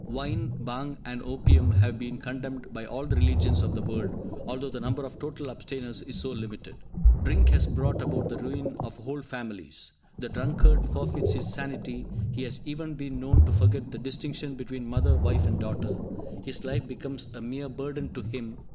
Wine, bhang and opium have been condemned by all the religions of the world, although the number of total abstainers is so limited. Drink has brought about the ruin of whole families. The drunkard forfeits his sanity; he has even been known to forget the distinction between mother, wife and daughter. His life becomes a mere burden to him.